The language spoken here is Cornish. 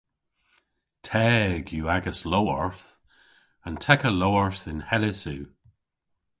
Teg yw agas lowarth. An tekka lowarth yn Hellys yw.